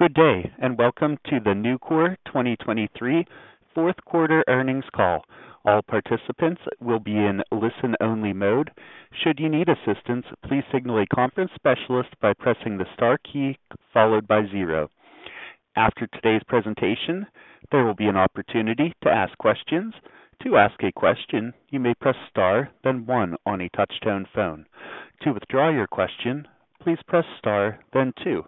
Good day, and welcome to the Nucor 2023 fourth quarter earnings call. All participants will be in listen-only mode. Should you need assistance, please signal a conference specialist by pressing the star key followed by zero. After today's presentation, there will be an opportunity to ask questions. To ask a question, you may press star, then one on a touchtone phone. To withdraw your question, please press star, then two.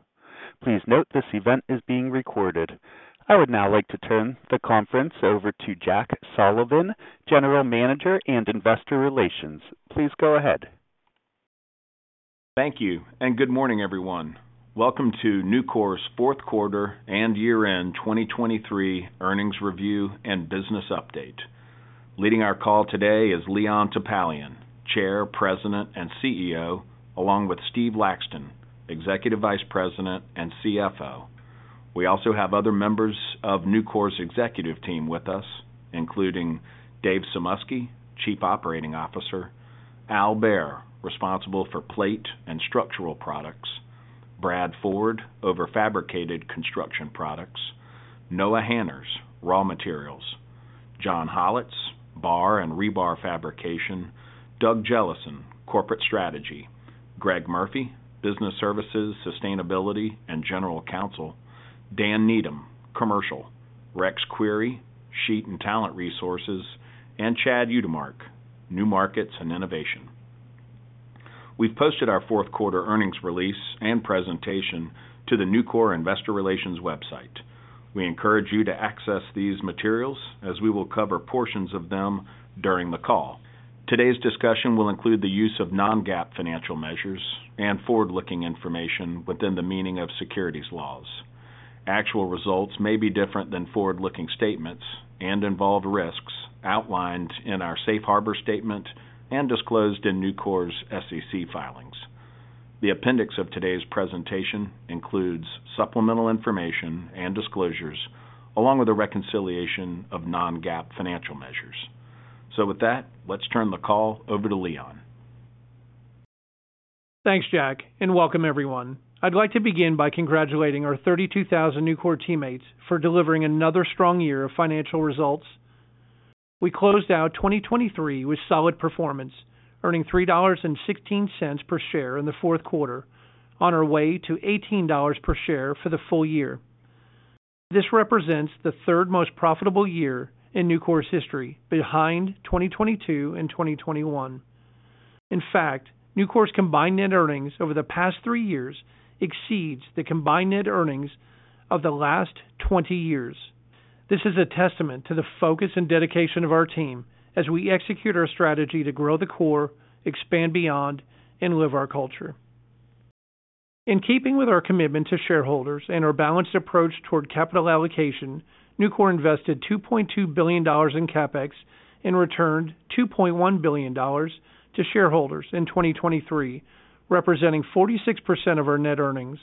Please note, this event is being recorded. I would now like to turn the conference over to Jack Sullivan, General Manager and Investor Relations. Please go ahead. Thank you, and good morning, everyone. Welcome to Nucor's fourth quarter and year-end 2023 earnings review and business update. Leading our call today is Leon Topalian, Chair, President, and CEO, along with Steve Laxton, Executive Vice President and CFO. We also have other members of Nucor's executive team with us, including Dave Sumoski, Chief Operating Officer, Al Behr, responsible for Plate and Structural Products, Brad Ford, over Fabricated Construction Products, Noah Hanners, Raw Materials, John Hollatz, Bar and Rebar Fabrication, Doug Jellison, Corporate Strategy, Greg Murphy, Business Services, Sustainability, and General Counsel, Dan Needham, Commercial, Rex Query, Sheet and Talent Resources, and Chad Utermark, New Markets and Innovation. We've posted our fourth quarter earnings release and presentation to the Nucor Investor Relations website. We encourage you to access these materials as we will cover portions of them during the call. Today's discussion will include the use of non-GAAP financial measures and forward-looking information within the meaning of securities laws. Actual results may be different than forward-looking statements and involve risks outlined in our safe harbor statement and disclosed in Nucor's SEC filings. The appendix of today's presentation includes supplemental information and disclosures, along with a reconciliation of non-GAAP financial measures. With that, let's turn the call over to Leon. Thanks, Jack, and welcome everyone. I'd like to begin by congratulating our 32,000 Nucor teammates for delivering another strong year of financial results. We closed out 2023 with solid performance, earning $3.16 per share in the fourth quarter on our way to $18 per share for the full year. This represents the third most profitable year in Nucor's history, behind 2022 and 2021. In fact, Nucor's combined net earnings over the past three years exceeds the combined net earnings of the last 20 years. This is a testament to the focus and dedication of our team as we execute our strategy to grow the core, Expand Beyond, and live our culture. In keeping with our commitment to shareholders and our balanced approach toward capital allocation, Nucor invested $2.2 billion in CapEx and returned $2.1 billion to shareholders in 2023, representing 46% of our net earnings.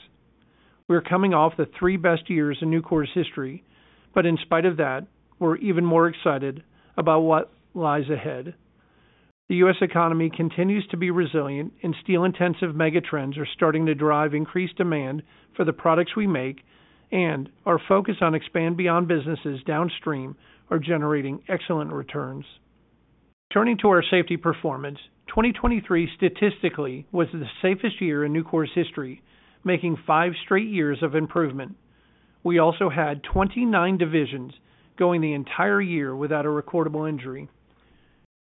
We are coming off the three best years in Nucor's history, but in spite of that, we're even more excited about what lies ahead. The U.S. economy continues to be resilient, and steel-intensive megatrends are starting to drive increased demand for the products we make, and our focus on Expand Beyond businesses downstream are generating excellent returns. Turning to our safety performance, 2023 statistically was the safest year in Nucor's history, making five straight years of improvement. We also had 29 divisions going the entire year without a recordable injury.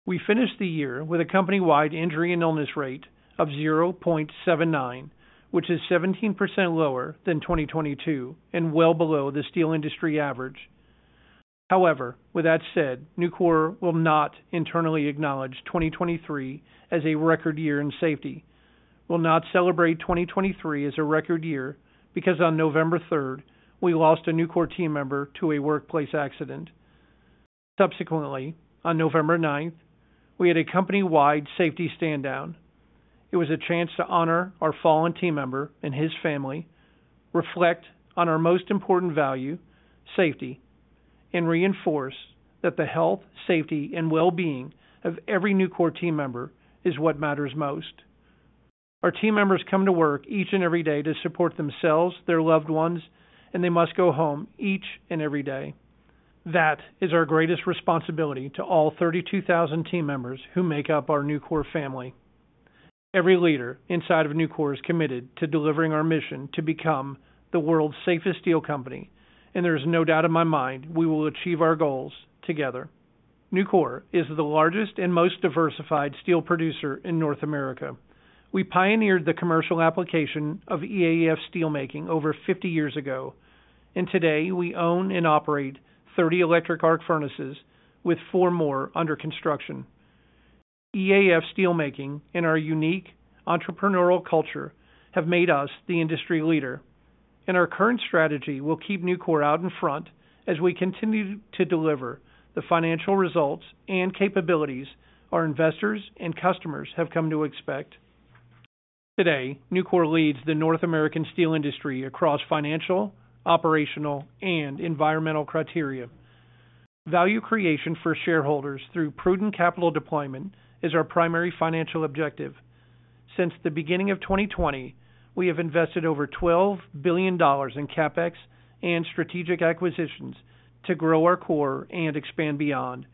We finished the year with a company-wide injury and illness rate of 0.79%, which is 17% lower than 2022 and well below the steel industry average. However, with that said, Nucor will not internally acknowledge 2023 as a record year in safety. We'll not celebrate 2023 as a record year because on November third, we lost a Nucor team member to a workplace accident. Subsequently, on November 9th, we had a company-wide safety standdown. It was a chance to honor our fallen team member and his family, reflect on our most important value, safety, and reinforce that the health, safety, and well-being of every Nucor team member is what matters most. Our team members come to work each and every day to support themselves, their loved ones, and they must go home each and every day. That is our greatest responsibility to all 32,000 team members who make up our Nucor family. Every leader inside of Nucor is committed to delivering our mission to become the world's safest steel company, and there is no doubt in my mind we will achieve our goals together. Nucor is the largest and most diversified steel producer in North America. We pioneered the commercial application of EAF steelmaking over 50 years ago, and today we own and operate 30 electric arc furnaces with four more under construction. EAF steelmaking and our unique entrepreneurial culture have made us the industry leader, and our current strategy will keep Nucor out in front as we continue to deliver the financial results and capabilities our investors and customers have come to expect. Today, Nucor leads the North American steel industry across financial, operational, and environmental criteria. Value creation for shareholders through prudent capital deployment is our primary financial objective. Since the beginning of 2020, we have invested over $12 billion in CapEx and strategic acquisitions to grow our core and Expand Beyond.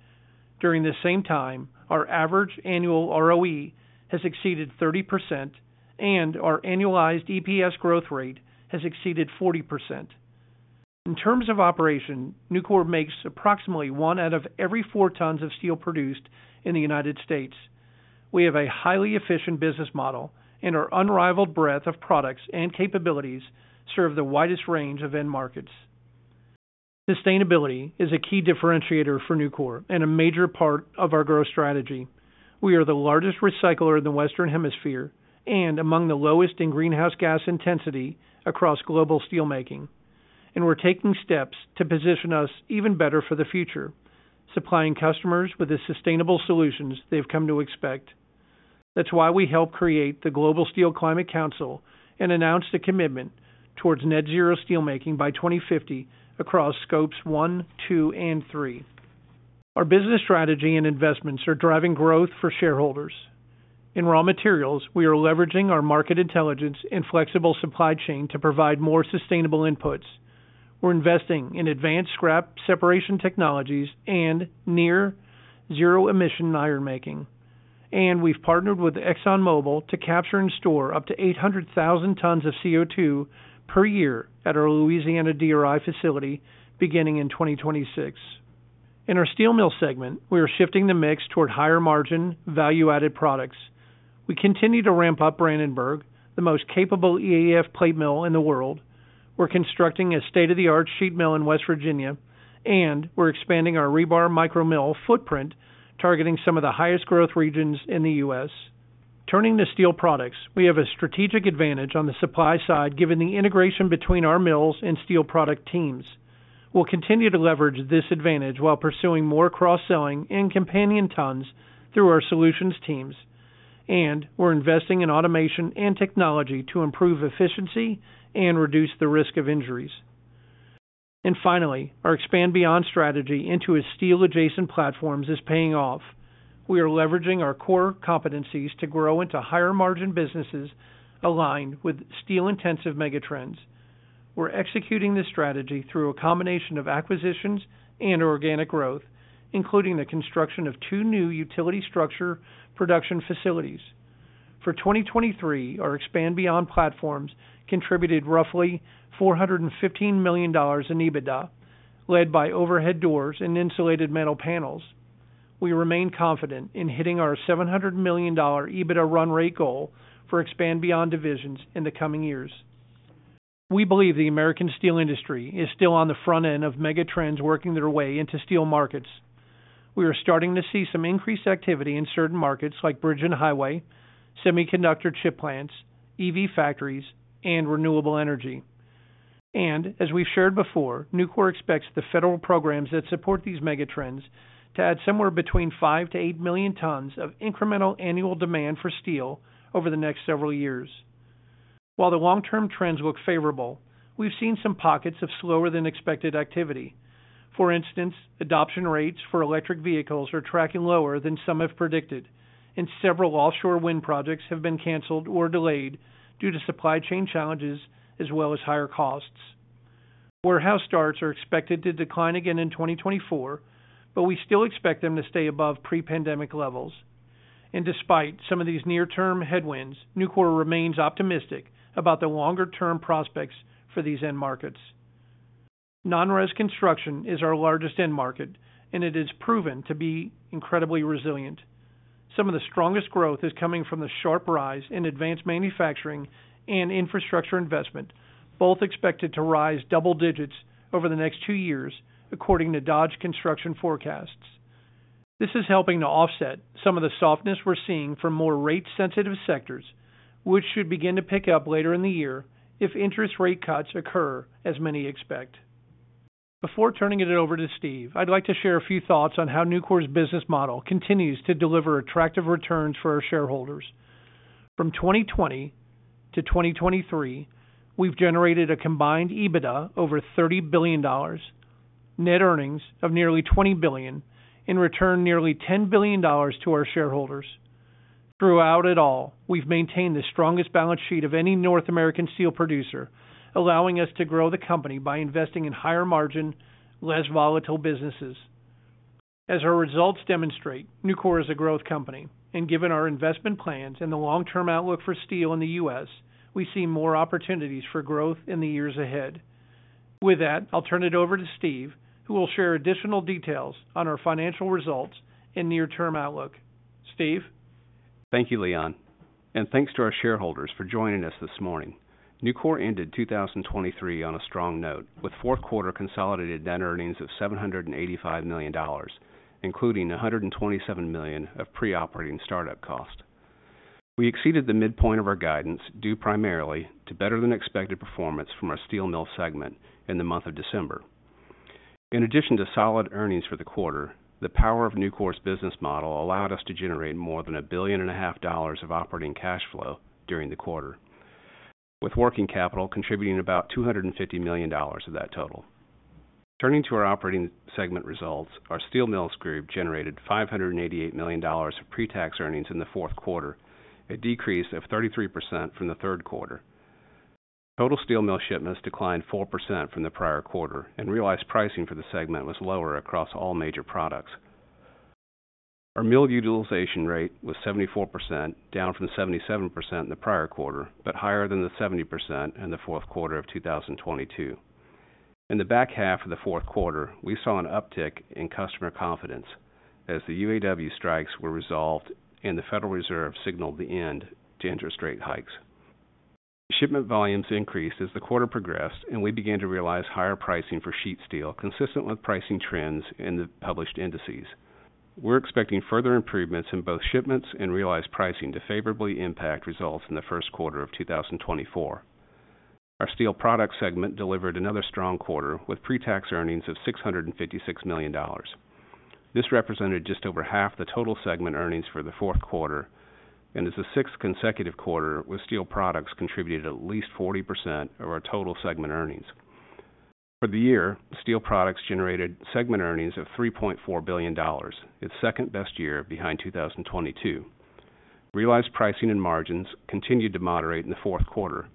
During the same time, our average annual ROE has exceeded 30%, and our annualized EPS growth rate has exceeded 40%. In terms of operation, Nucor makes approximately one out of every four tons of steel produced in the United States. We have a highly efficient business model, and our unrivaled breadth of products and capabilities serve the widest range of end markets. Sustainability is a key differentiator for Nucor and a major part of our growth strategy. We are the largest recycler in the Western Hemisphere and among the lowest in greenhouse gas intensity across global steelmaking, and we're taking steps to position us even better for the future, supplying customers with the sustainable solutions they've come to expect. That's why we helped create the Global Steel Climate Council and announced a commitment towards Net Zero steelmaking by 2050 across Scopes 1, 2, and 3. Our business strategy and investments are driving growth for shareholders. In raw materials, we are leveraging our market intelligence and flexible supply chain to provide more sustainable inputs. We're investing in advanced scrap separation technologies and near zero-emission iron making, and we've partnered with ExxonMobil to capture and store up to 800,000 tons of CO2 per year at our Louisiana DRI facility, beginning in 2026. In our steel mill segment, we are shifting the mix toward higher margin, value-added products. We continue to ramp up Brandenburg, the most capable EAF plate mill in the world. We're constructing a state-of-the-art sheet mill in West Virginia, and we're expanding our rebar micro mill footprint, targeting some of the highest growth regions in the U.S. Turning to steel products, we have a strategic advantage on the supply side, given the integration between our mills and steel product teams. We'll continue to leverage this advantage while pursuing more cross-selling and companion tons through our solutions teams, and we're investing in automation and technology to improve efficiency and reduce the risk of injuries. And finally, our Expand Beyond strategy into a steel adjacent platforms is paying off. We are leveraging our core competencies to grow into higher margin businesses aligned with steel-intensive megatrends. We're executing this strategy through a combination of acquisitions and organic growth, including the construction of two new utility structure production facilities. For 2023, our Expand Beyond platforms contributed roughly $415 million in EBITDA, led by overhead doors and insulated metal panels. We remain confident in hitting our $700 million EBITDA run rate goal for Expand Beyond divisions in the coming years. We believe the American steel industry is still on the front end of megatrends working their way into steel markets. We are starting to see some increased activity in certain markets, like bridge and highway, semiconductor chip plants, EV factories, and renewable energy. And as we've shared before, Nucor expects the federal programs that support these megatrends to add somewhere between 5 million, 8 million tons of incremental annual demand for steel over the next several years. While the long-term trends look favorable, we've seen some pockets of slower than expected activity. For instance, adoption rates for electric vehicles are tracking lower than some have predicted, and several offshore wind projects have been canceled or delayed due to supply chain challenges as well as higher costs. Warehouse starts are expected to decline again in 2024, but we still expect them to stay above pre-pandemic levels. Despite some of these near-term headwinds, Nucor remains optimistic about the longer term prospects for these end markets. Non-res construction is our largest end market, and it has proven to be incredibly resilient. Some of the strongest growth is coming from the sharp rise in advanced manufacturing and infrastructure investment, both expected to rise double digits over the next two years, according to Dodge Construction forecasts. This is helping to offset some of the softness we're seeing from more rate-sensitive sectors, which should begin to pick up later in the year if interest rate cuts occur, as many expect. Before turning it over to Steve, I'd like to share a few thoughts on how Nucor's business model continues to deliver attractive returns for our shareholders. From 2020 to 2023, we've generated a combined EBITDA over $30 billion, net earnings of nearly $20 billion, and returned nearly $10 billion to our shareholders. Throughout it all, we've maintained the strongest balance sheet of any North American steel producer, allowing us to grow the company by investing in higher margin, less volatile businesses. As our results demonstrate, Nucor is a growth company, and given our investment plans and the long-term outlook for steel in the U.S., we see more opportunities for growth in the years ahead. With that, I'll turn it over to Steve, who will share additional details on our financial results and near-term outlook. Steve? Thank you, Leon, and thanks to our shareholders for joining us this morning. Nucor ended 2023 on a strong note, with fourth quarter consolidated net earnings of $785 million, including $127 million of pre-operating start-up costs. We exceeded the midpoint of our guidance, due primarily to better than expected performance from our steel mill segment in the month of December. In addition to solid earnings for the quarter, the power of Nucor's business model allowed us to generate more than $1.5 billion of operating cash flow during the quarter, with working capital contributing about $250 million of that total. Turning to our operating segment results, our steel mills group generated $588 million of pretax earnings in the fourth quarter, a decrease of 33% from the third quarter. Total steel mill shipments declined 4% from the prior quarter, and realized pricing for the segment was lower across all major products. Our mill utilization rate was 74%, down from 77% in the prior quarter, but higher than the 70% in the fourth quarter of 2022. In the back half of the fourth quarter, we saw an uptick in customer confidence as the UAW strikes were resolved and the Federal Reserve signaled the end to interest rate hikes. Shipment volumes increased as the quarter progressed, and we began to realize higher pricing for sheet steel, consistent with pricing trends in the published indices. We're expecting further improvements in both shipments and realized pricing to favorably impact results in the first quarter of 2024. Our Steel Products segment delivered another strong quarter, with pretax earnings of $656 million. This represented just over half the total segment earnings for the fourth quarter and is the sixth consecutive quarter, with Steel Products contributing at least 40% of our total segment earnings. For the year, Steel Products generated segment earnings of $3.4 billion, its second-best year behind 2022. Realized pricing and margins continued to moderate in the fourth quarter,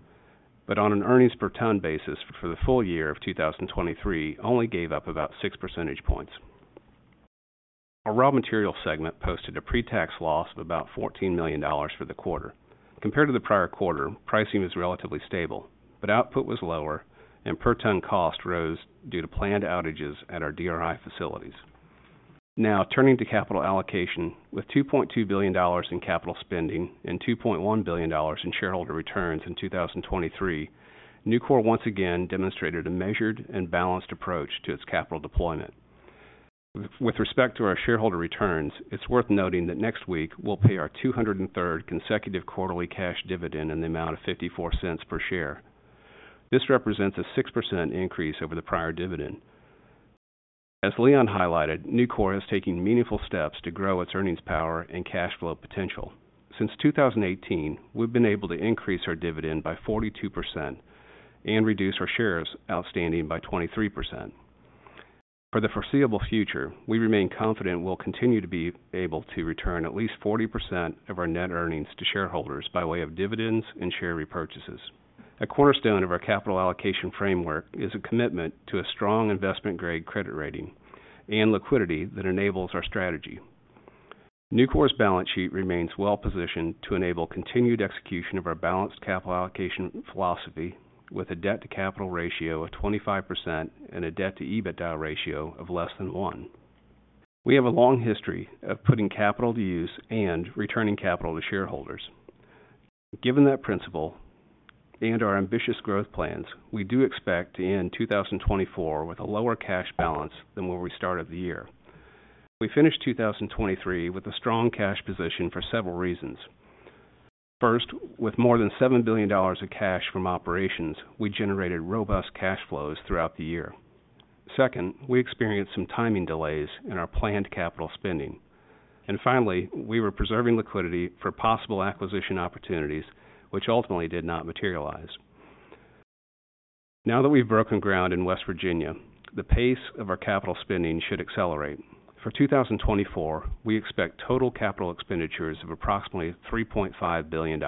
but on an earnings per ton basis for the full year of 2023, only gave up about 6 percentage points. Our Raw Materials segment posted a pretax loss of about $14 million for the quarter. Compared to the prior quarter, pricing was relatively stable, but output was lower and per ton cost rose due to planned outages at our DRI facilities. Now, turning to capital allocation. With $2.2 billion in capital spending and $2.1 billion in shareholder returns in 2023, Nucor once again demonstrated a measured and balanced approach to its capital deployment. With respect to our shareholder returns, it's worth noting that next week we'll pay our 200th consecutive quarterly cash dividend in the amount of $0.54 per share. This represents a 6% increase over the prior dividend. As Leon highlighted, Nucor is taking meaningful steps to grow its earnings, power, and cash flow potential. Since 2018, we've been able to increase our dividend by 42% and reduce our shares outstanding by 23%. For the foreseeable future, we remain confident we'll continue to be able to return at least 40% of our net earnings to shareholders by way of dividends and share repurchases. A cornerstone of our capital allocation framework is a commitment to a strong investment-grade credit rating and liquidity that enables our strategy. Nucor's balance sheet remains well positioned to enable continued execution of our balanced capital allocation philosophy, with a debt-to-capital ratio of 25% and a debt-to-EBITDA ratio of less than 1. We have a long history of putting capital to use and returning capital to shareholders. Given that principle and our ambitious growth plans, we do expect to end 2024 with a lower cash balance than where we started the year. We finished 2023 with a strong cash position for several reasons. First, with more than $7 billion of cash from operations, we generated robust cash flows throughout the year. Second, we experienced some timing delays in our planned capital spending. And finally, we were preserving liquidity for possible acquisition opportunities, which ultimately did not materialize. Now that we've broken ground in West Virginia, the pace of our capital spending should accelerate. For 2024, we expect total capital expenditures of approximately $3.5 billion,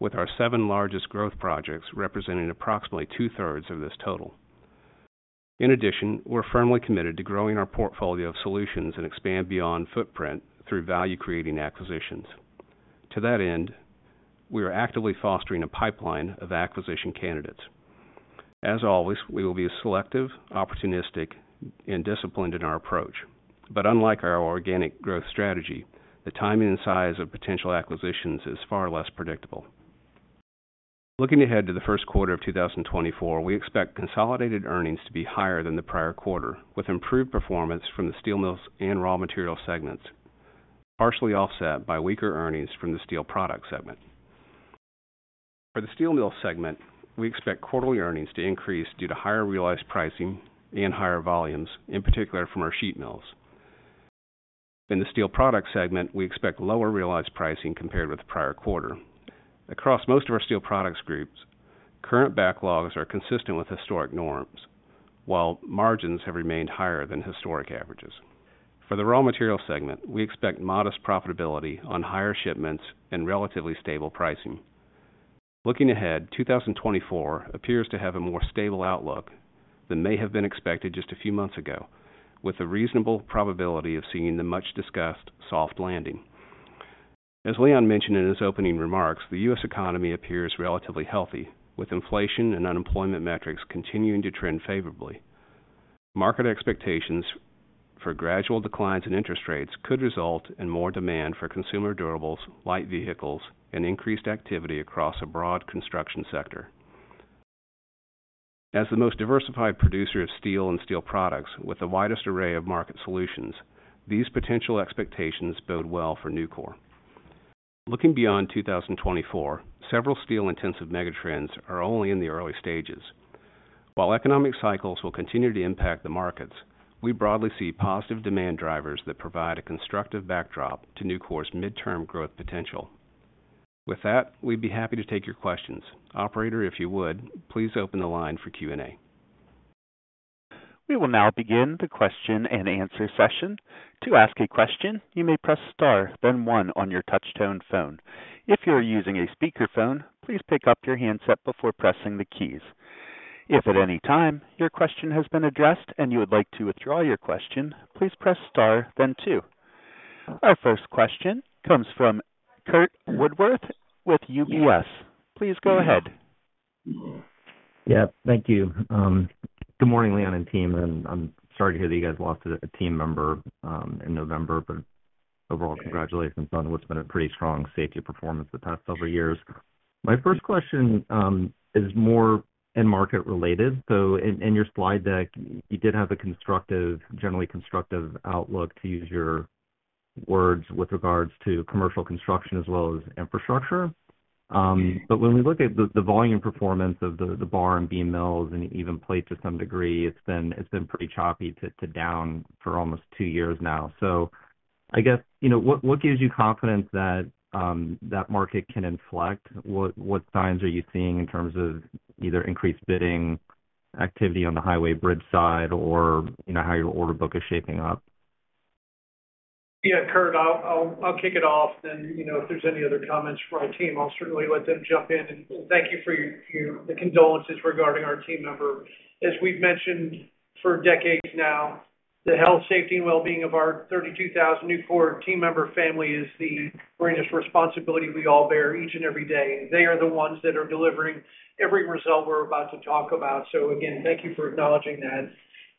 with our seven largest growth projects representing approximately two-thirds of this total. In addition, we're firmly committed to growing our portfolio of solutions and Expand Beyond footprint through value-creating acquisitions. To that end, we are actively fostering a pipeline of acquisition candidates. As always, we will be selective, opportunistic, and disciplined in our approach. But unlike our organic growth strategy, the timing and size of potential acquisitions is far less predictable. Looking ahead to the first quarter of 2024, we expect consolidated earnings to be higher than the prior quarter, with improved performance from the steel mills and raw material segments, partially offset by weaker earnings from the steel product segment. For the steel mill segment, we expect quarterly earnings to increase due to higher realized pricing and higher volumes, in particular from our sheet mills. In the steel product segment, we expect lower realized pricing compared with the prior quarter. Across most of our steel products groups, current backlogs are consistent with historic norms, while margins have remained higher than historic averages. For the raw material segment, we expect modest profitability on higher shipments and relatively stable pricing. Looking ahead, 2024 appears to have a more stable outlook than may have been expected just a few months ago, with a reasonable probability of seeing the much-discussed soft landing. As Leon mentioned in his opening remarks, the U.S. economy appears relatively healthy, with inflation and unemployment metrics continuing to trend favorably. Market expectations for gradual declines in interest rates could result in more demand for consumer durables, light vehicles, and increased activity across a broad construction sector. As the most diversified producer of steel and steel products with the widest array of market solutions, these potential expectations bode well for Nucor. Looking beyond 2024, several steel-intensive megatrends are only in the early stages. While economic cycles will continue to impact the markets, we broadly see positive demand drivers that provide a constructive backdrop to Nucor's midterm growth potential. With that, we'd be happy to take your questions. Operator, if you would, please open the line for Q&A. We will now begin the question-and-answer session. To ask a question, you may press star, then one on your touchtone phone. If you are using a speakerphone, please pick up your handset before pressing the keys. If at any time your question has been addressed and you would like to withdraw your question, please press star then two. Our first question comes from Curt Woodworth with UBS. Please go ahead. Yeah, thank you. Good morning, Leon and team, and I'm sorry to hear that you guys lost a team member in November, but overall, congratulations on what's been a pretty strong safety performance the past several years. My first question is more end market related. So in your slide deck, you did have a constructive, generally constructive outlook, to use your words, with regards to commercial construction as well as infrastructure. But when we look at the volume performance of the bar and beam mills and even plates to some degree, it's been pretty choppy to down for almost two years now. So I guess, you know, what gives you confidence that that market can inflect? What, what signs are you seeing in terms of either increased bidding activity on the highway bridge side or, you know, how your order book is shaping up? Yeah, Curt, I'll kick it off, and, you know, if there's any other comments from my team, I'll certainly let them jump in. And thank you for your condolences regarding our team member. As we've mentioned for decades now, the health, safety, and wellbeing of our 32,000 Nucor team member family is the greatest responsibility we all bear each and every day. They are the ones that are delivering every result we're about to talk about. So again, thank you for acknowledging that.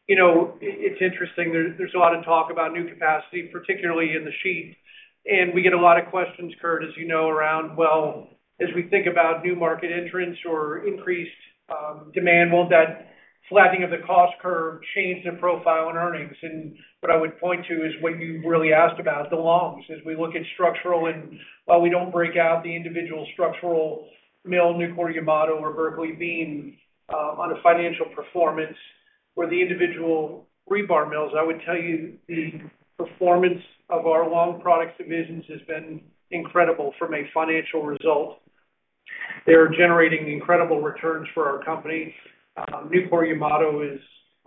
You know, it's interesting, there's a lot of talk about new capacity, particularly in the sheet, and we get a lot of questions, Curt, as you know, around well, as we think about new market entrants or increased demand, won't that flattening of the cost curve change the profile in earnings? What I would point to is what you really asked about, the longs. As we look at structural, and while we don't break out the individual structural mill, Nucor-Yamato or Berkeley beam, on a financial performance or the individual rebar mills, I would tell you the performance of our long products divisions has been incredible from a financial result. They are generating incredible returns for our company. Nucor-Yamato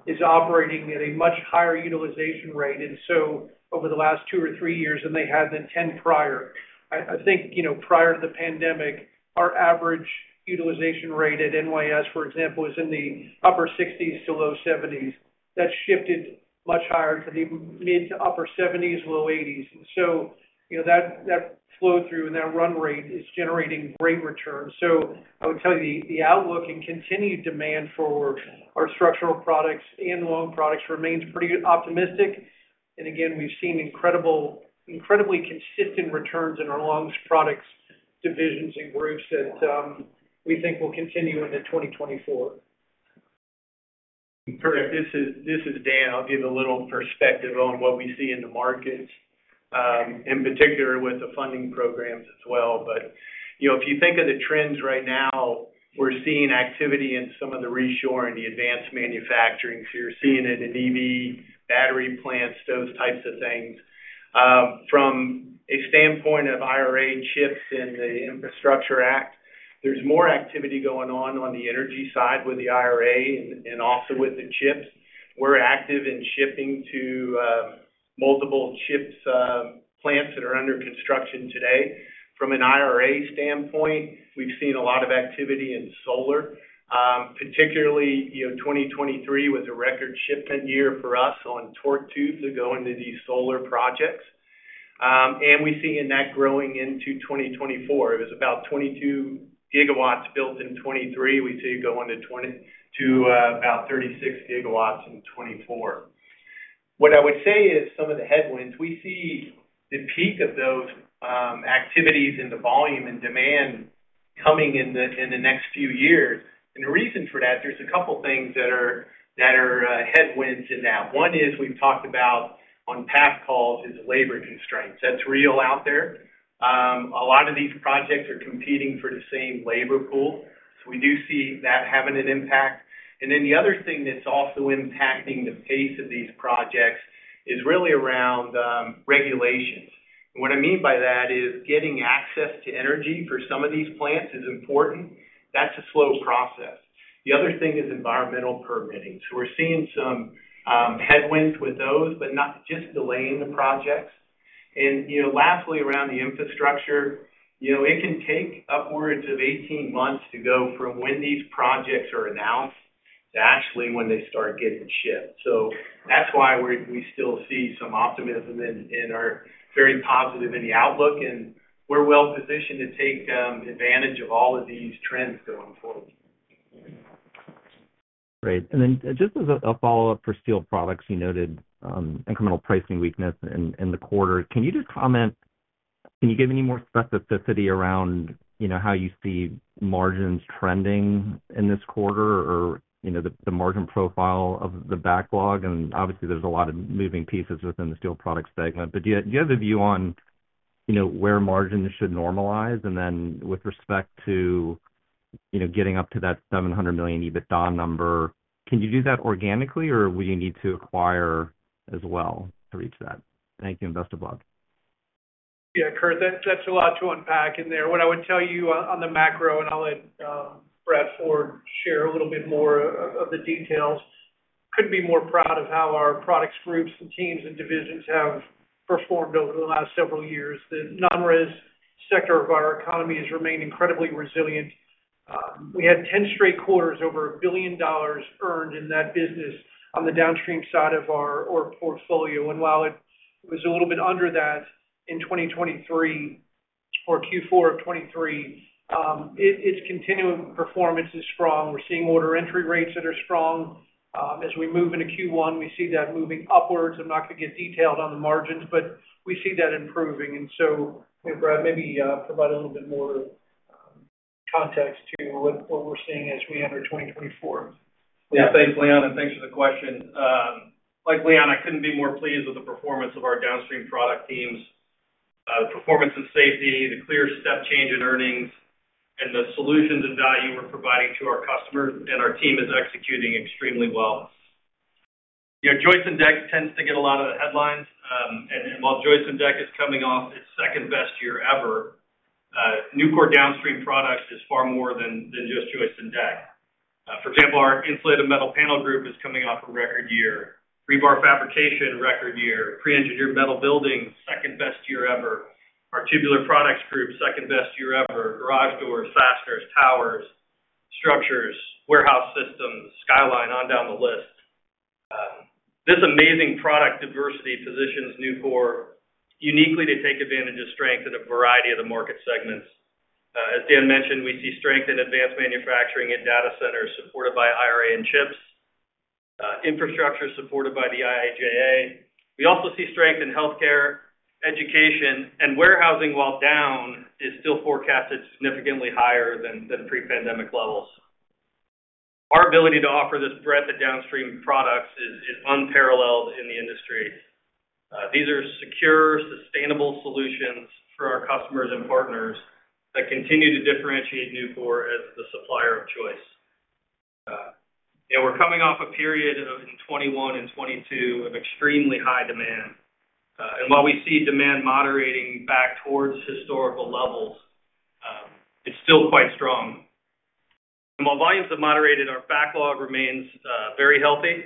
is operating at a much higher utilization rate, and so over the last two or three years than they had in 10% prior. I think, you know, prior to the pandemic, our average utilization rate at NYS, for example, was in the upper 60%s to low 70%s. That shifted much higher to the mid- to upper 70%s, low 80%s. So, you know, that flow-through and that run rate is generating great returns. So I would tell you, the outlook and continued demand for our structural products and long products remains pretty optimistic. And again, we've seen incredible, incredibly consistent returns in our longs products, divisions and groups that we think will continue into 2024. Curt, this is, this is Dan. I'll give a little perspective on what we see in the markets, in particular with the funding programs as well. But, you know, if you think of the trends right now, we're seeing activity in some of the reshore and the advanced manufacturing. So you're seeing it in EV battery plants, those types of things. From a standpoint of IRA, CHIPS, and the Infrastructure Act, there's more activity going on on the energy side with the IRA and also with the CHIPS. We're active in shipping to multiple CHIPS plants that are under construction today. From an IRA standpoint, we've seen a lot of activity in solar, particularly, you know, 2023 was a record shipment year for us on torque tubes that go into these solar projects. And we're seeing that growing into 2024. It was about 22 gigawatts built in 2023. We see it going to twenty to about 36 gigawatts in 2024. What I would say is some of the headwinds, we see the peak of those activities in the volume and demand coming in the next few years. And the reason for that, there's a couple things that are, that are headwinds to that. One is, we've talked about on past calls, is labor constraints. That's real out there. A lot of these projects are competing for the same labor pool, so we do see that having an impact. And then the other thing that's also impacting the pace of these projects is really around regulations. And what I mean by that is, getting access to energy for some of these plants is important. That's a slow process. The other thing is environmental permitting. So we're seeing some headwinds with those, but not just delaying the projects. And, you know, lastly, around the infrastructure, you know, it can take upwards of 18 months to go from when these projects are announced to actually when they start getting shipped. So that's why we're we still see some optimism and, and are very positive in the outlook, and we're well positioned to take advantage of all of these trends going forward. Great. And then just as a follow-up for steel products, you noted incremental pricing weakness in the quarter. Can you just comment can you give any more specificity around, you know, how you see margins trending in this quarter or, you know, the margin profile of the backlog? And obviously, there's a lot of moving pieces within the steel products segment, but do you have a view on, you know, where margins should normalize? And then with respect to you know, getting up to that $700 million EBITDA number, can you do that organically, or will you need to acquire as well to reach that? Thank you, and best of luck. Yeah, Curt, that's a lot to unpack in there. What I would tell you on the macro, and I'll let Brad Ford share a little bit more of the details. Couldn't be more proud of how our products groups, and teams, and divisions have performed over the last several years. The non-res sector of our economy has remained incredibly resilient. We had 10 straight quarters, over $1 billion earned in that business on the downstream side of our portfolio. And while it was a little bit under that in 2023 or Q4 of 2023, it, it's continuing performance is strong. We're seeing order entry rates that are strong. As we move into Q1, we see that moving upwards. I'm not going to get detailed on the margins, but we see that improving. And so, Brad, maybe provide a little bit more context to what we're seeing as we enter 2024. Yeah. Thanks, Leon, and thanks for the question. Like Leon, I couldn't be more pleased with the performance of our downstream product teams. The performance and safety, the clear step change in earnings, and the solutions and value we're providing to our customers, and our team is executing extremely well. You know, joists and deck tends to get a lot of the headlines, and while joists and deck is coming off its second best year ever, Nucor Downstream Products is far more than just joists and deck. For example, our insulated metal panel group is coming off a record year, rebar fabrication, record year, pre-engineered metal building, second best year ever. Our tubular products group, second best year ever. Garage doors, fasteners, towers, structures, warehouse systems, Skyline, on down the list. This amazing product diversity positions Nucor uniquely to take advantage of strength in a variety of the market segments. As Dan mentioned, we see strength in advanced manufacturing and data centers supported by IRA and CHIPS, infrastructure supported by the IIJA. We also see strength in healthcare, education, and warehousing, while down, is still forecasted significantly higher than pre-pandemic levels. Our ability to offer this breadth of downstream products is unparalleled in the industry. These are secure, sustainable solutions for our customers and partners that continue to differentiate Nucor as the supplier of choice. And we're coming off a period in 2021 and 2022 of extremely high demand. And while we see demand moderating back towards historical levels, it's still quite strong. While volumes have moderated, our backlog remains very healthy,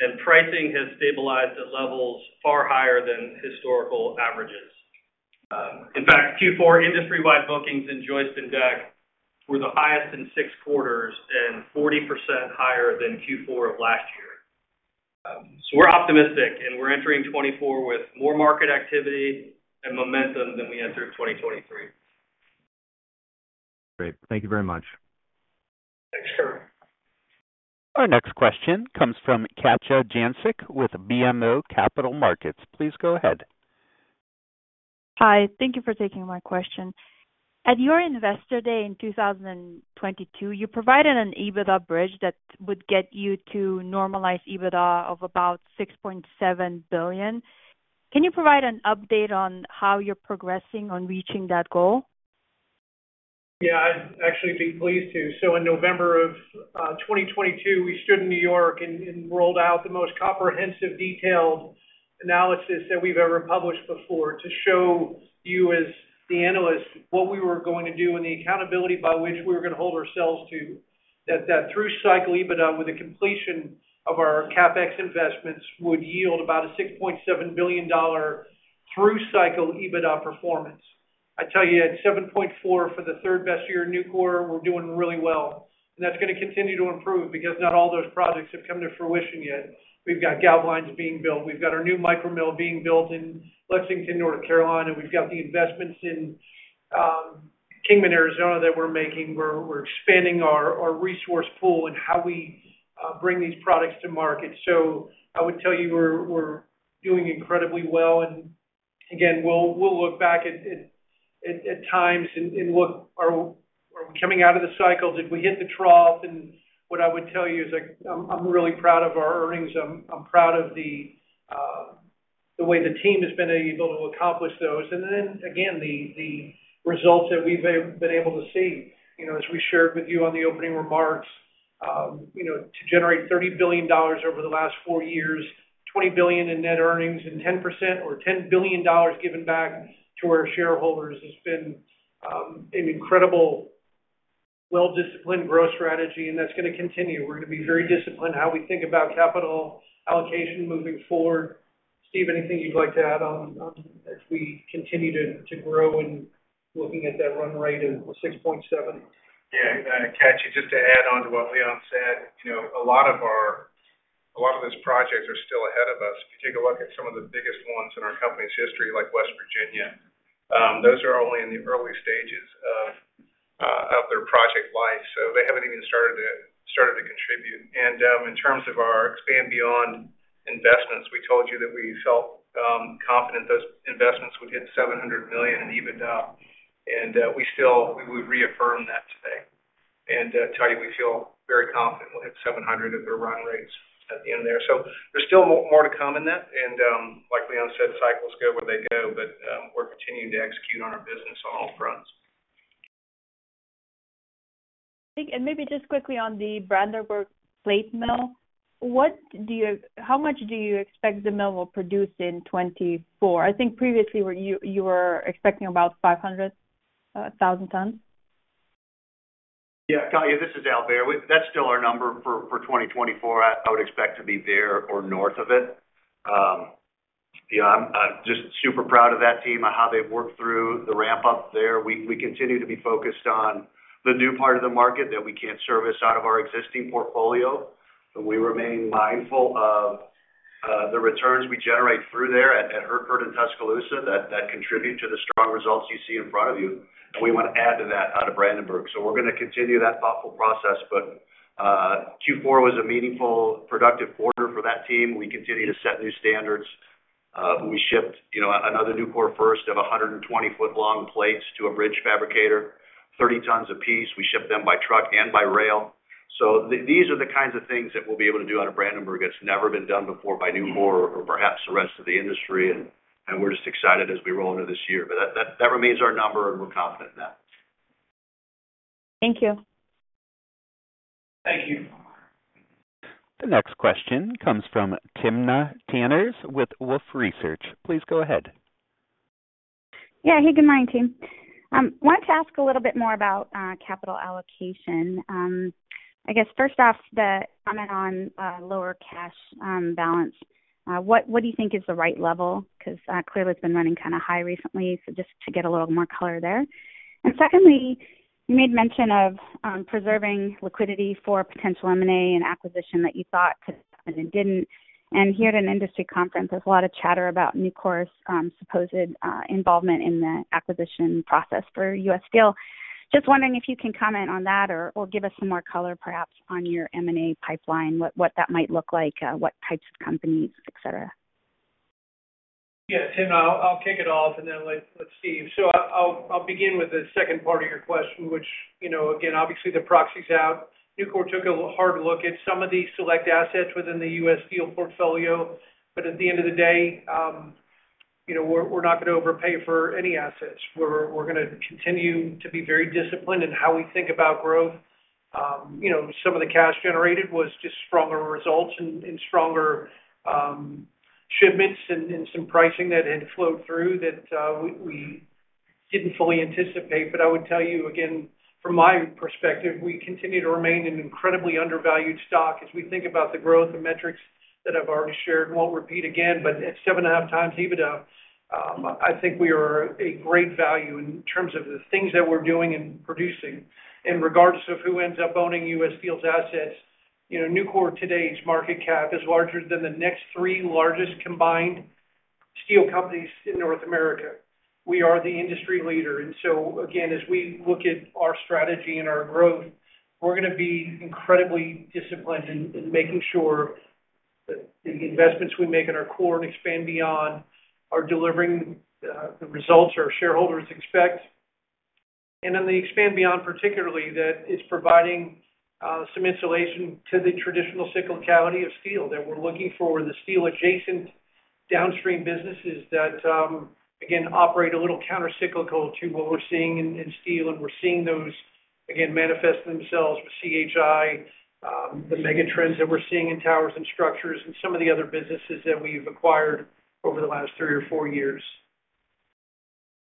and pricing has stabilized at levels far higher than historical averages. In fact, Q4 industry-wide bookings in joists and deck were the highest in six quarters and 40% higher than Q4 of last year. We're optimistic, and we're entering 2024 with more market activity and momentum than we entered 2023. Great. Thank you very much. Thanks, Curt. Our next question comes from Katja Jancic with BMO Capital Markets. Please go ahead. Hi, thank you for taking my question. At your Investor Day in 2022, you provided an EBITDA bridge that would get you to normalize EBITDA of about $6.7 billion. Can you provide an update on how you're progressing on reaching that goal? Yeah, I'd actually be pleased to. So in November of 2022, we stood in New York and rolled out the most comprehensive, detailed analysis that we've ever published before, to show you, as the analysts, what we were going to do and the accountability by which we were going to hold ourselves to. That through cycle EBITDA, with the completion of our CapEx investments, would yield about a $6.7 billion through cycle EBITDA performance. I tell you, at $7.4 for the third best year in Nucor, we're doing really well, and that's going to continue to improve because not all those projects have come to fruition yet. We've got galv lines being built. We've got our new micro mill being built in Lexington, North Carolina. We've got the investments in Kingman, Arizona, that we're making, where we're expanding our resource pool and how we bring these products to market. So I would tell you, we're doing incredibly well. And again, we'll look back at times and look, are we coming out of the cycle? Did we hit the trough? And what I would tell you is I'm really proud of our earnings. I'm proud of the way the team has been able to accomplish those. And then again, the results that we've been able to see. You know, as we shared with you on the opening remarks, you know, to generate $30 billion over the last 4 years, $20 billion in net earnings, and 10% or $10 billion given back to our shareholders, has been an incredible, well-disciplined growth strategy, and that's going to continue. We're going to be very disciplined in how we think about capital allocation moving forward. Steve, anything you'd like to add on, as we continue to grow and looking at that run rate of 6.7%? Yeah, Katja, just to add on to what Leon said, you know, a lot of those projects are still ahead of us. If you take a look at some of the biggest ones in our company's history, like West Virginia, those are only in the early stages of their project life, so they haven't even started to, started to contribute. And, in terms of our Expand Beyond investments, we told you that we felt confident those investments would hit $700 million in EBITDA, and we still would reaffirm that today. And I tell you, we feel very confident we'll hit $700 million at their run rates at the end there. There's still more to come in that and, like Leon said, cycles go where they go, but we're continuing to execute on our business on all fronts. I think, and maybe just quickly on the Brandenburg plate mill, how much do you expect the mill will produce in 2024? I think previously where you were expecting about 500,000 tons. Yeah, Katja, this is Al Behr. That's still our number for 2024. I would expect to be there or north of it. Yeah, I'm just super proud of that team and how they've worked through the ramp-up there. We continue to be focused on the new part of the market that we can't service out of our existing portfolio. But we remain mindful of the returns we generate through there at Hertford and Tuscaloosa that contribute to the strong results you see in front of you. And we want to add to that out of Brandenburg. So we're going to continue that thoughtful process. But Q4 was a meaningful, productive quarter for that team. We continue to set new standards. We shipped, you know, another Nucor first of 120-foot-long plates to a bridge fabricator, 30 tons a piece. We shipped them by truck and by rail. So these are the kinds of things that we'll be able to do out of Brandenburg that's never been done before by Nucor or perhaps the rest of the industry, and we're just excited as we roll into this year. But that remains our number, and we're confident in that. Thank you. Thank you. The next question comes from Timna Tanners with Wolfe Research. Please go ahead. Yeah. Hey, good morning, team. Wanted to ask a little bit more about capital allocation. I guess first off, the comment on lower cash balance. What do you think is the right level? Because clearly it's been running kind of high recently, so just to get a little more color there. And secondly, you made mention of preserving liquidity for potential M&A and acquisition that you thought and didn't. And here at an industry conference, there's a lot of chatter about Nucor's supposed involvement in the acquisition process for U.S. Steel. Just wondering if you can comment on that or give us some more color, perhaps, on your M&A pipeline, what that might look like, what types of companies, et cetera. Yeah, Tim, I'll kick it off, and then let Steve. So I'll begin with the second part of your question, which, you know, again, obviously, the proxy's out. Nucor took a hard look at some of the select assets within the U.S. Steel portfolio, but at the end of the day, you know, we're not going to overpay for any assets. We're going to continue to be very disciplined in how we think about growth. You know, some of the cash generated was just stronger results and stronger shipments and some pricing that had flowed through that we didn't fully anticipate. But I would tell you again, from my perspective, we continue to remain an incredibly undervalued stock. As we think about the growth and metrics that I've already shared, won't repeat again, but at 7.5x EBITDA, I think we are a great value in terms of the things that we're doing and producing. And regardless of who ends up owning U.S. Steel's assets, you know, Nucor's market cap today is larger than the next three largest combined steel companies in North America. We are the industry leader, and so again, as we look at our strategy and our growth, we're going to be incredibly disciplined in making sure that the investments we make in our core and Expand Beyond are delivering the results our shareholders expect. On the Expand Beyond, particularly, that it's providing some insulation to the traditional cyclicality of steel, that we're looking for the steel-adjacent downstream businesses that, again, operate a little countercyclical to what we're seeing in steel, and we're seeing those again manifest themselves with C.H.I., the megatrends that we're seeing in towers and structures and some of the other businesses that we've acquired over the last three or four years.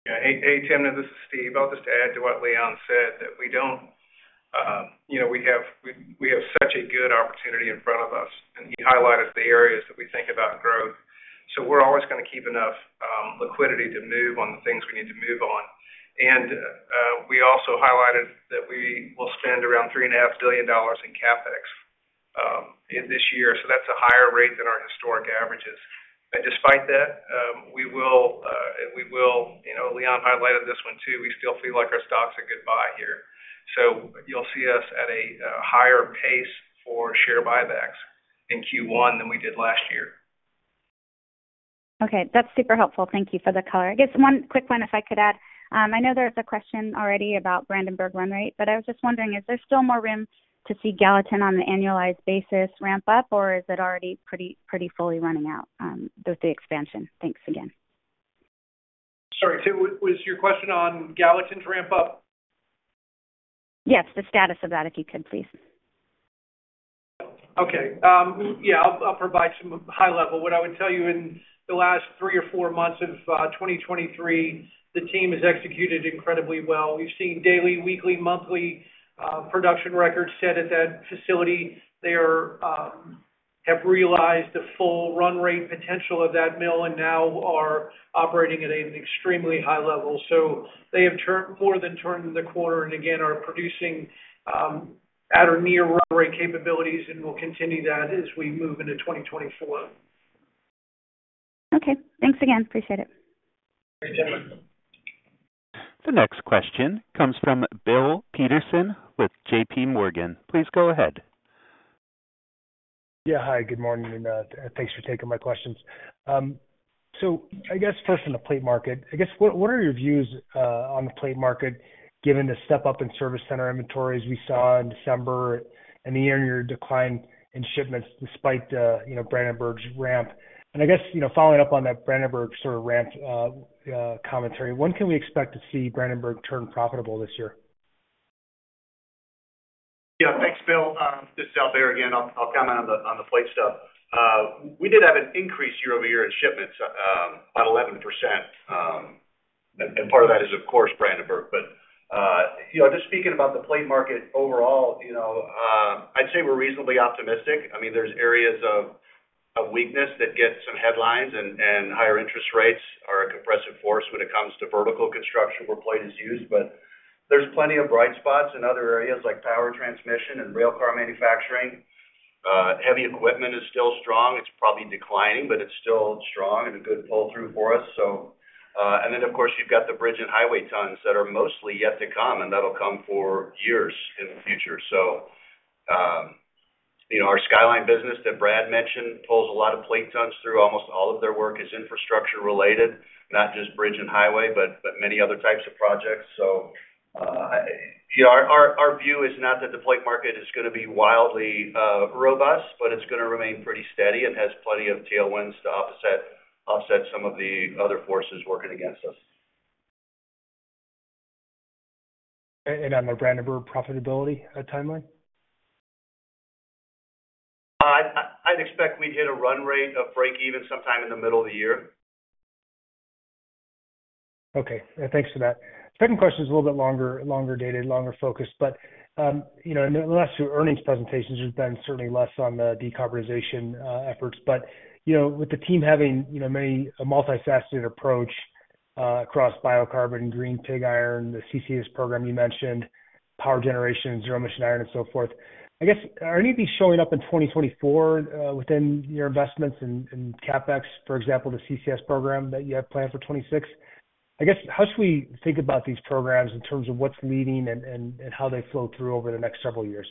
Yeah. Hey, Tim, this is Steve. I'll just add to what Leon said, that we don't, you know, we have such a good opportunity in front of us, and he highlighted the areas that we think about growth. So we're always going to keep enough liquidity to move on the things we need to move on. And we also highlighted that we will spend around $3.5 billion in CapEx in this year, so that's a higher rate than our historic averages. And despite that, we will you know, Leon highlighted this one, too. We still feel like our stocks are a good buy here. So you'll see us at a higher pace for share buybacks in Q1 than we did last year. Okay, that's super helpful. Thank you for the color. I guess one quick one, if I could add. I know there was a question already about Brandenburg run rate, but I was just wondering, is there still more room to see Gallatin on an annualized basis ramp up, or is it already pretty, pretty fully running out, with the expansion? Thanks again. Sorry, Tim, was your question on Gallatin's ramp up? Yes, the status of that, if you could please. Okay. Yeah, I'll, I'll provide some high level. What I would tell you, in the last three or four months of 2023, the team has executed incredibly well. We've seen daily, weekly, monthly production records set at that facility. They have realized the full run rate potential of that mill and now are operating at an extremely high level. So they have turned, more than turned the corner and again, are producing at or near run rate capabilities, and we'll continue that as we move into 2024. Okay. Thanks again. Appreciate it. Great. Thank you. The next question comes from Bill Peterson with JPMorgan. Please go ahead. Yeah. Hi, good morning, and thanks for taking my questions. So I guess first, in the plate market, I guess, what are your views on the plate market, given the step up in service center inventories we saw in December and the year-on-year decline in shipments despite you know, Brandenburg's ramp? I guess, you know, following up on that Brandenburg sort of ramp commentary, when can we expect to see Brandenburg turn profitable this year? Bill, just out there again, I'll comment on the plate stuff. We did have an increase year-over-year in shipments, about 11%. And part of that is, of course, Brandenburg. But you know, just speaking about the plate market overall, you know, I'd say we're reasonably optimistic. I mean, there's areas of weakness that get some headlines and higher interest rates are a compressive force when it comes to vertical construction where plate is used. But there's plenty of bright spots in other areas like power transmission and rail car manufacturing. Heavy equipment is still strong. It's probably declining, but it's still strong and a good pull-through for us. So, and then, of course, you've got the bridge and highway tons that are mostly yet to come, and that'll come for years in the future. So, you know, our Skyline business that Brad mentioned pulls a lot of plate tons through. Almost all of their work is infrastructure-related, not just bridge and highway, but many other types of projects. So, you know, our view is not that the plate market is going to be wildly robust, but it's going to remain pretty steady and has plenty of tailwinds to offset some of the other forces working against us. On the Brandenburg profitability, a timeline? I'd expect we'd hit a run rate of break even sometime in the middle of the year. Okay. Thanks for that. Second question is a little bit longer, longer dated, longer focused, but, you know, in the last two earnings presentations, there's been certainly less on the decarbonization efforts. But, you know, with the team having, you know, many a multifaceted approach, across biocarbon, green pig iron, the CCS program you mentioned, power generation, zero-emission iron, and so forth. I guess, are any of these showing up in 2024, within your investments in CapEx, for example, the CCS program that you have planned for 2026? I guess, how should we think about these programs in terms of what's leading and how they flow through over the next several years?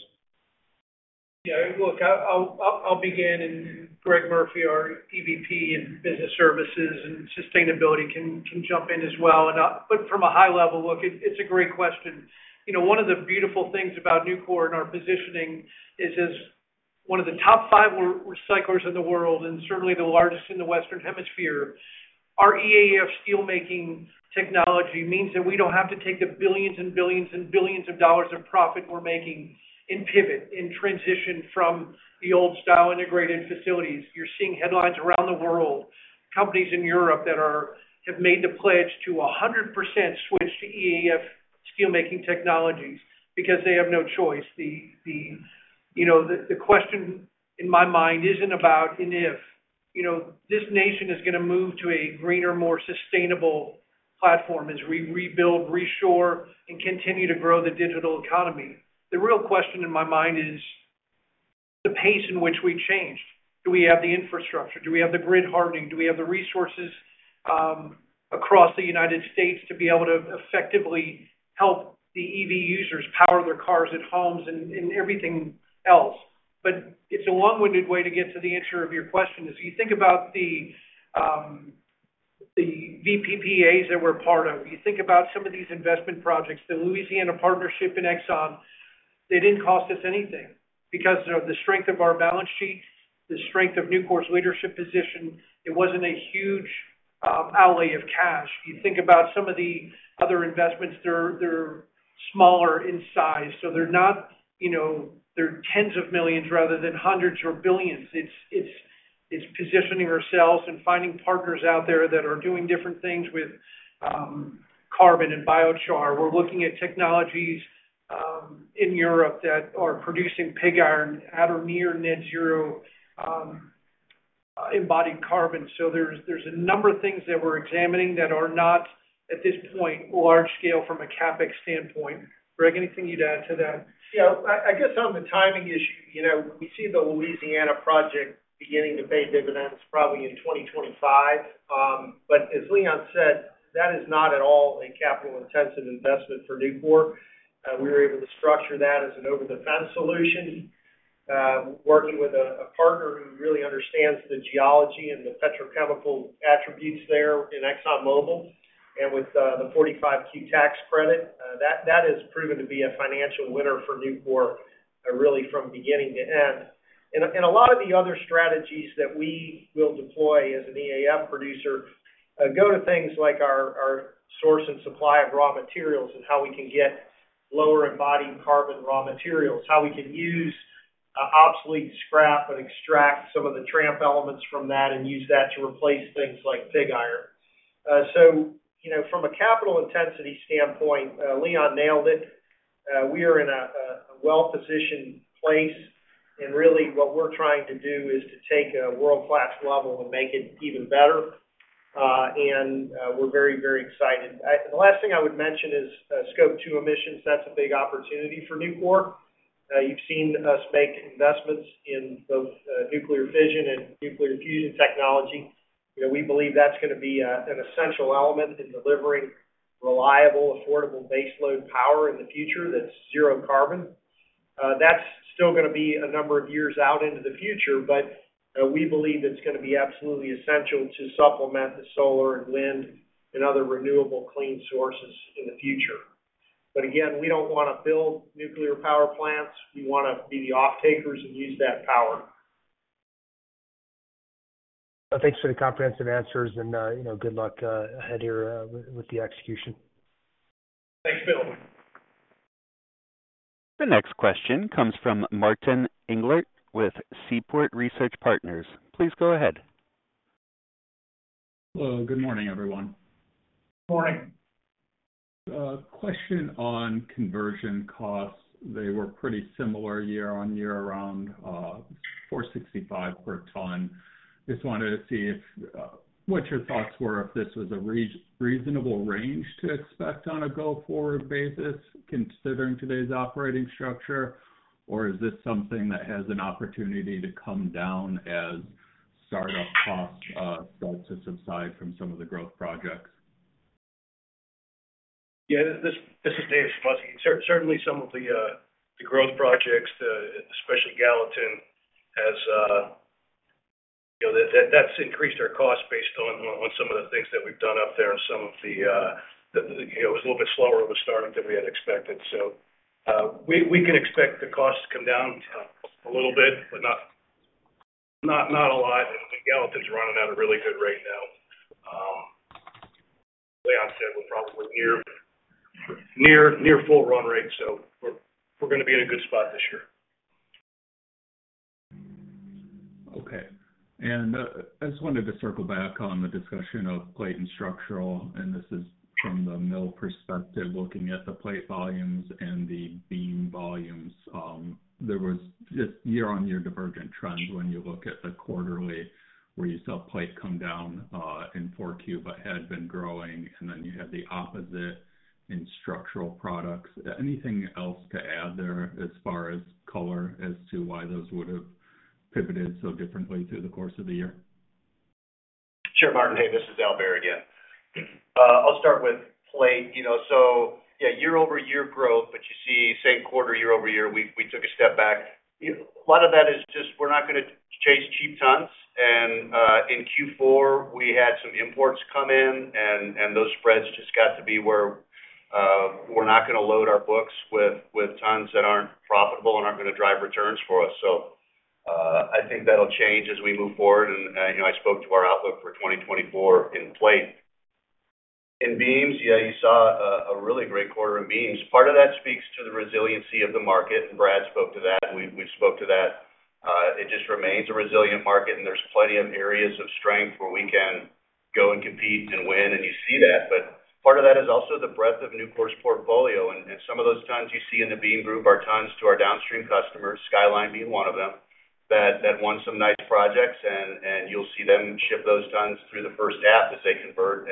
Yeah, look, I'll begin, and Greg Murphy, our EVP in Business Services and Sustainability, can jump in as well. But from a high-level look, it's a great question. You know, one of the beautiful things about Nucor and our positioning is, as one of the top 5 recyclers in the world, and certainly the largest in the Western Hemisphere, our EAF steelmaking technology means that we don't have to take the billions and billions and billions of dollars of profit we're making and pivot and transition from the old-style integrated facilities. You're seeing headlines around the world, companies in Europe that have made the pledge to 100% switch to EAF steelmaking technologies because they have no choice. The, you know, the question in my mind isn't about an if. You know, this nation is going to move to a greener, more sustainable platform as we rebuild, reshore, and continue to grow the digital economy. The real question in my mind is the pace in which we change. Do we have the infrastructure? Do we have the grid hardening? Do we have the resources across the United States to be able to effectively help the EV users power their cars and homes and, and everything else? But it's a long-winded way to get to the answer of your question. As you think about the VPPAs that we're part of, you think about some of these investment projects, the Louisiana partnership in Exxon, they didn't cost us anything because of the strength of our balance sheet, the strength of Nucor's leadership position. It wasn't a huge outlay of cash. You think about some of the other investments; they're smaller in size, so they're not, you know, they're $10s of millions rather than $100s or billions. It's positioning ourselves and finding partners out there that are doing different things with carbon and biochar. We're looking at technologies in Europe that are producing pig iron at or near Net Zero embodied carbon. So there's a number of things that we're examining that are not, at this point, large scale from a CapEx standpoint. Greg, anything you'd add to that? Yeah, I guess on the timing issue, you know, we see the Louisiana project beginning to pay dividends probably in 2025. But as Leon said, that is not at all a capital-intensive investment for Nucor. We were able to structure that as an over-the-fence solution, working with a partner who really understands the geology and the petrochemical attributes there in ExxonMobil. And with the 45Q tax credit, that has proven to be a financial winner for Nucor, really from beginning to end. And a lot of the other strategies that we will deploy as an EAF producer go to things like our source and supply of raw materials and how we can get lower embodied carbon raw materials, how we can use obsolete scrap and extract some of the tramp elements from that and use that to replace things like pig iron. So, you know, from a capital intensity standpoint, Leon nailed it. We are in a well-positioned place, and really what we're trying to do is to take a world-class level and make it even better. And we're very, very excited. The last thing I would mention is Scope 2 emissions. That's a big opportunity for Nucor. You've seen us make investments in both nuclear fission and nuclear fusion technology. You know, we believe that's going to be an essential element in delivering reliable, affordable baseload power in the future that's zero carbon. That's still going to be a number of years out into the future, but, we believe it's going to be absolutely essential to supplement the solar and wind and other renewable clean sources in the future. But again, we don't want to build nuclear power plants. We want to be the off-takers and use that power. Well, thanks for the comprehensive answers and, you know, good luck ahead here with the execution. Thanks, Bill. The next question comes from Martin Englert with Seaport Research Partners. Please go ahead. Hello, good morning, everyone. Good morning. Question on conversion costs. They were pretty similar year-on-year around $465 per ton. Just wanted to see if what your thoughts were, if this was a reasonable range to expect on a go-forward basis, considering today's operating structure, or is this something that has an opportunity to come down as startup costs start to subside from some of the growth projects? Yeah, this is Dave Sumoski. Certainly some of the growth projects, especially Gallatin, has, you know, that's increased our cost based on some of the things that we've done up there and some of the, you know, it was a little bit slower of a starting than we had expected. So, we can expect the costs to come down a little bit, but not a lot. And Gallatin's running at a really good rate now. Like I said, we're probably near full run rate, so we're going to be in a good spot this year. Okay. And, I just wanted to circle back on the discussion of plate and structural, and this is from the mill perspective, looking at the plate volumes and the beam volumes. There was just year-on-year divergent trends when you look at the quarterly, where you saw plate come down in 4Q, but had been growing, and then you had the opposite in structural products. Anything else to add there as far as color as to why those would have pivoted so differently through the course of the year? Sure, Martin, hey, this is Al Behr again. I'll start with plate. You know, so yeah, year-over-year growth, but you see same quarter year-over-year, we took a step back. A lot of that is just we're not going to chase cheap tons. And in Q4, we had some imports come in, and those spreads just got to be where we're not going to load our books with tons that aren't profitable and aren't going to drive returns for us. So I think that'll change as we move forward. And you know, I spoke to our outlook for 2024 in plate. In beams, yeah, you saw a really great quarter in beams. Part of that speaks to the resiliency of the market, and Brad spoke to that. We spoke to that. It just remains a resilient market, and there's plenty of areas of strength where we can go and compete and win, and you see that. But part of that is also the breadth of Nucor's portfolio. And some of those tons you see in the beam group are tons to our downstream customers, Skyline being one of them, that won some nice projects, and you'll see them ship those tons through the first half as they convert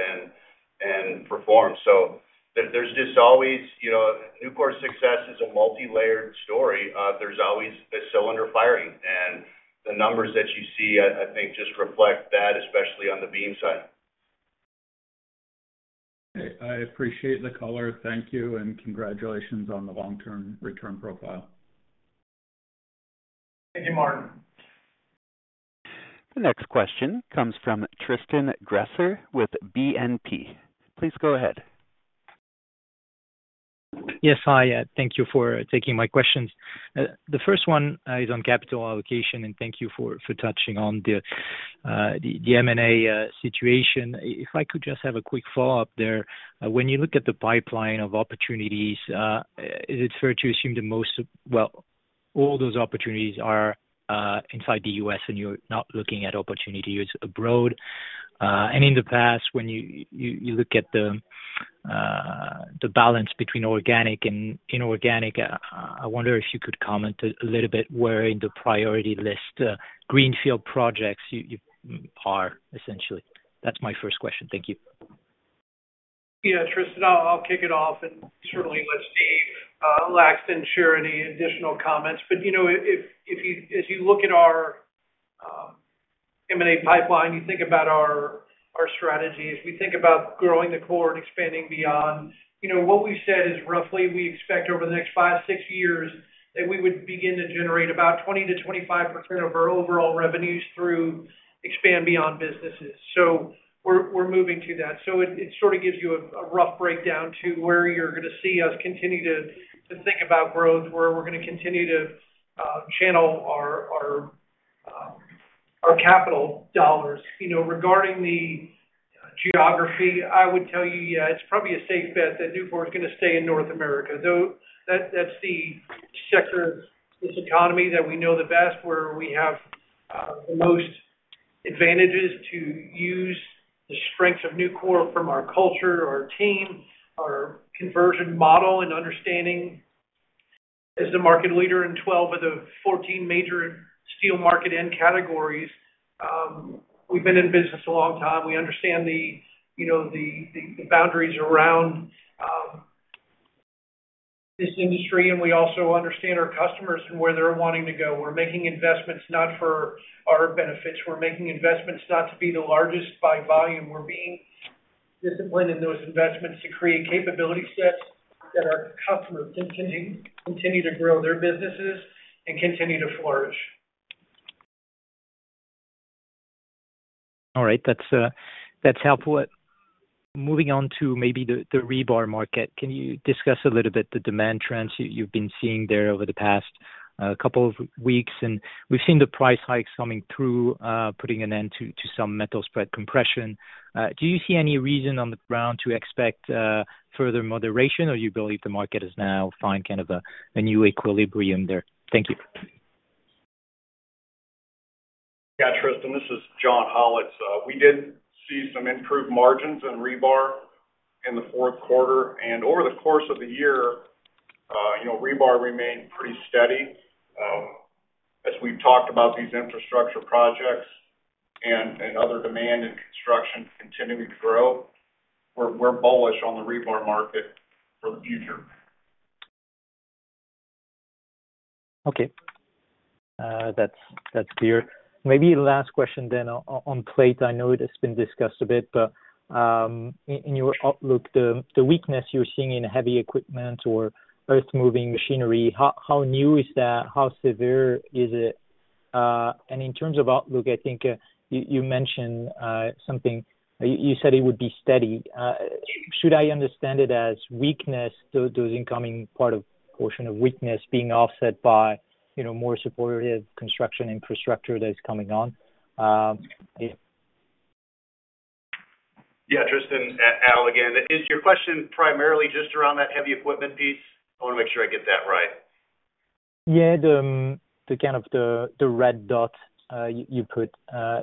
and perform. So there's just always, you know, Nucor's success is a multilayered story. There's always a cylinder firing, and the numbers that you see, I think, just reflect that, especially on the beam side. Okay. I appreciate the color. Thank you, and congratulations on the long-term return profile. Thank you, Martin. The next question comes from Tristan Gresser with BNP. Please go ahead. Yes, hi, thank you for taking my questions. The first one is on capital allocation, and thank you for touching on the M&A situation. If I could just have a quick follow-up there. When you look at the pipeline of opportunities, is it fair to assume that most of—well, all those opportunities are inside the U.S., and you're not looking at opportunity use abroad? And in the past, when you look at the balance between organic and inorganic, I wonder if you could comment a little bit where in the priority list greenfield projects you are, essentially. That's my first question. Thank you. Yeah, Tristan, I'll, I'll kick it off, and certainly let Steve Laxton share any additional comments. But, you know, if, if you as you look at our M&A pipeline, you think about our, our strategies, we think about growing the core and expanding beyond. You know, what we've said is roughly we expect over the next five, six years, that we would begin to generate about 20%-25% of our overall revenues through Expand Beyond businesses. So we're, we're moving to that. So it, it sort of gives you a, a rough breakdown to where you're going to see us continue to, to think about growth, where we're going to continue to channel our, our, our capital dollars. You know, regarding the geography, I would tell you, yeah, it's probably a safe bet that Nucor is going to stay in North America, though, that's the sector of this economy that we know the best, where we have the most advantages to use the strengths of Nucor from our culture, our team, our conversion model, and understanding as the market leader in 12 of the 14 major steel market end categories. We've been in business a long time. We understand the, you know, the boundaries around this industry, and we also understand our customers and where they're wanting to go. We're making investments not for our benefits. We're making investments not to be the largest by volume. We're being disciplined in those investments to create capability sets that our customers can continue to grow their businesses and continue to flourish. All right. That's, that's helpful moving on to maybe the rebar market. Can you discuss a little bit the demand trends you've been seeing there over the past couple of weeks? And we've seen the price hikes coming through, putting an end to some metal spread compression. Do you see any reason on the ground to expect further moderation, or you believe the market has now found kind of a new equilibrium there? Thank you. Yeah, Tristan, this is John Hollatz. We did see some improved margins in rebar in the fourth quarter, and over the course of the year, you know, rebar remained pretty steady. As we've talked about these infrastructure projects and other demand in construction continuing to grow, we're bullish on the rebar market for the future. Okay. That's clear. Maybe last question then on plate. I know it has been discussed a bit, but in your outlook, the weakness you're seeing in heavy equipment or earthmoving machinery, how new is that? How severe is it? And in terms of outlook, I think you mentioned something. You said it would be steady. Should I understand it as weakness, those incoming part of portion of weakness being offset by, you know, more supportive construction infrastructure that is coming on? Yeah. Yeah, Tristan, Al again. Is your question primarily just around that heavy equipment piece? I want to make sure I get that right. Yeah, the kind of red dot you put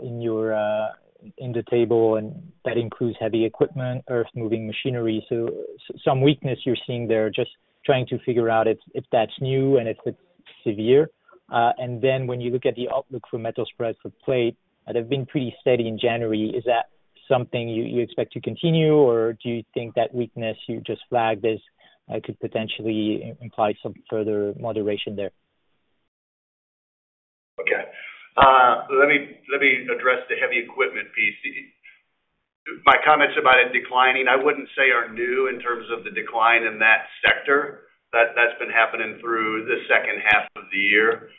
in the table, and that includes heavy equipment, earthmoving machinery. So some weakness you're seeing there, just trying to figure out if that's new and if it's severe. And then when you look at the outlook for metal spreads for plate, that have been pretty steady in January, is that something you expect to continue, or do you think that weakness you just flagged as could potentially imply some further moderation there? Okay. Let me address the heavy equipment piece. My comments about it declining, I wouldn't say are new in terms of the decline in that sector. That, that's been happening through the second half of the year.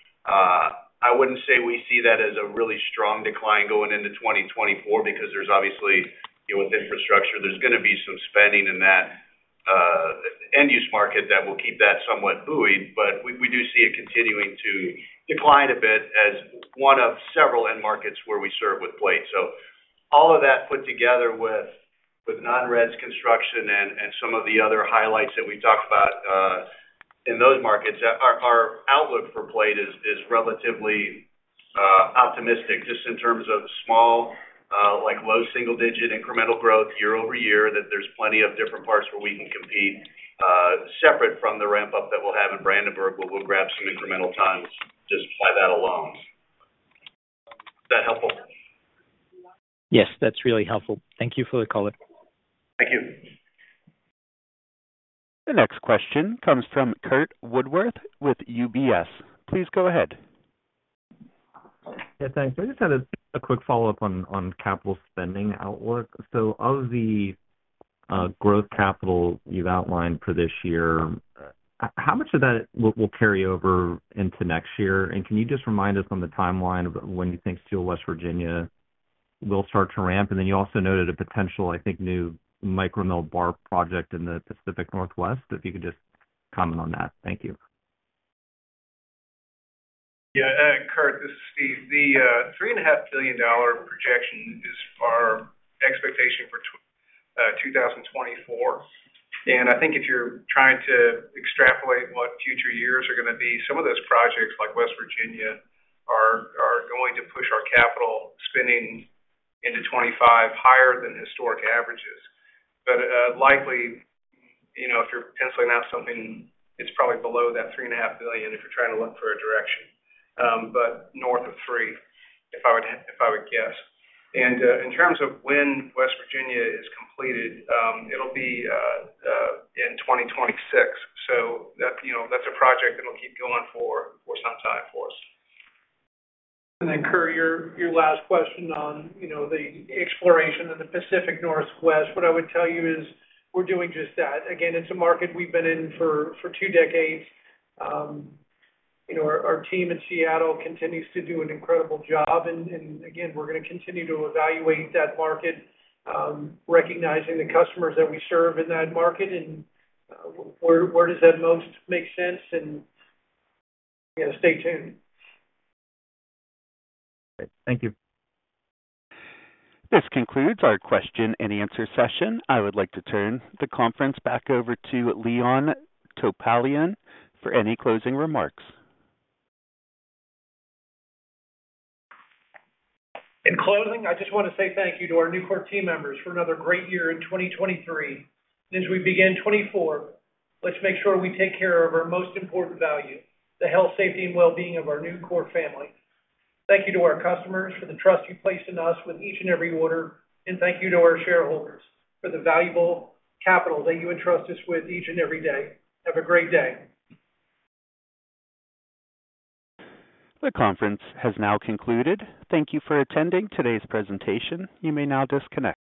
I wouldn't say we see that as a really strong decline going into 2024, because there's obviously, you know, with infrastructure, there's going to be some spending in that end-use market that will keep that somewhat buoyed. But we do see it continuing to decline a bit as one of several end markets where we serve with plate. So all of that put together with non-res construction and some of the other highlights that we talked about in those markets, our outlook for plate is relatively optimistic, just in terms of small, like, low single-digit incremental growth year-over-year, that there's plenty of different parts where we can compete separate from the ramp-up that we'll have in Brandenburg, where we'll grab some incremental tons just by that alone. Is that helpful? Yes, that's really helpful. Thank you for the call. Thank you. The next question comes from Curt Woodworth with UBS. Please go ahead. Yeah, thanks. I just had a quick follow-up on capital spending outlook. So of the growth capital you've outlined for this year, how much of that will carry over into next year? And can you just remind us on the timeline of when you think the West Virginia will start to ramp? And then you also noted a potential, I think, new micro mill bar project in the Pacific Northwest. If you could just comment on that. Thank you. Yeah, Curt, this is Steve. The $3.5 billion projection is our expectation for 2024. And I think if you're trying to extrapolate what future years are going to be, some of those projects, like West Virginia, are going to push our capital spending into 2025, higher than historic averages. But likely, you know, if you're penciling out something, it's probably below that $3.5 billion, if you're trying to look for a direction. But north of $3 billion, if I would guess. And in terms of when West Virginia is completed, it'll be in 2026. So that's, you know, that's a project that'll keep going for some time for us. And then, Curt, your last question on, you know, the exploration in the Pacific Northwest. What I would tell you is we're doing just that. Again, it's a market we've been in for two decades. You know, our team in Seattle continues to do an incredible job. And again, we're going to continue to evaluate that market, recognizing the customers that we serve in that market and where that most makes sense, and you know, stay tuned. Great. Thank you. This concludes our question-and-answer session. I would like to turn the conference back over to Leon Topalian for any closing remarks. In closing, I just want to say thank you to our Nucor team members for another great year in 2023. As we begin 2024, let's make sure we take care of our most important value, the health, safety, and well-being of our Nucor family. Thank you to our customers for the trust you placed in us with each and every order, and thank you to our shareholders for the valuable capital that you entrust us with each and every day. Have a great day. The conference has now concluded. Thank you for attending today's presentation. You may now disconnect.